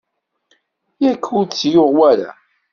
Yak ur tt-yuɣ wara?